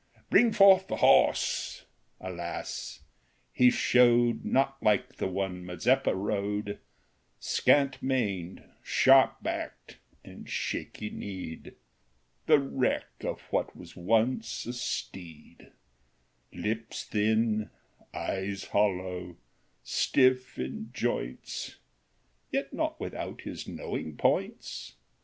" Bring forth the horse !" Alas ! he showed Not like the one Mazeppa rode ; 39 How the Old Horse Won Scant maned, sharp backed, and shaky^ kneed, The wreck of what was once a steed, Lips thin, eyes hollow, stiff in joints ; Yet not without his knowing points.